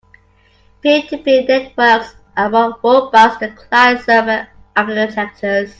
Peer-to-peer networks are more robust than client-server architectures.